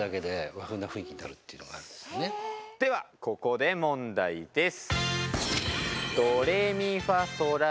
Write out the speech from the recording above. ではここで問題です。